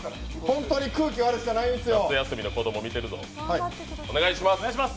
本当に空気悪したないんですよ！